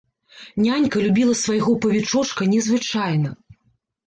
Нянька любіла свайго павічочка незвычайна.